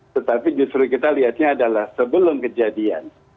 tetapi justru kita lihatnya adalah sebelum kejadian